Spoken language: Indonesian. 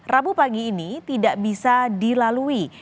rabu pagi ini tidak bisa dilalui